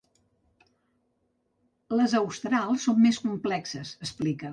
Les australs són més complexes, explica.